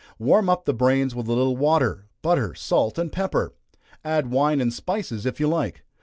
Warm up the brains with a little water, butter, salt, and pepper. Add wine and spices if you like.